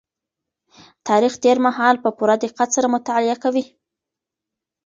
تاريخ تېر مهال په پوره دقت سره مطالعه کوي.